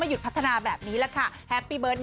ไม่หยุดพัฒนาแบบนี้แหละค่ะ